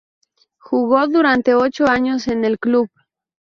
Jugó durante ocho años en el club.